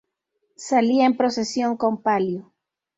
Salía en procesión con palio.